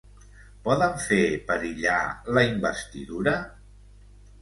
Poden fer perillar la investidura?